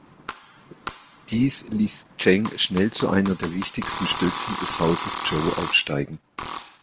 Dies ließ Zheng schnell zu einer der wichtigsten Stützen des Hauses Zhou aufsteigen.